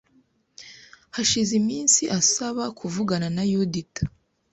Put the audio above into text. Hashize iminsi asaba kuvugana na Yudita